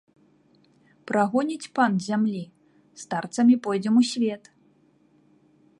Прагоніць пан з зямлі, старцамі пойдзем у свет.